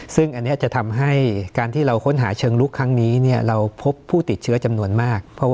ซึ่งอันนี้จะทำให้การที่เราค้นหาเชิงลุกครั้งนี้เราพบผู้ติดเชื้อจำนวนมาก